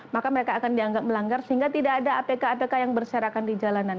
maka mereka akan dianggap melanggar sehingga tidak ada apk apk yang berserakan di jalanan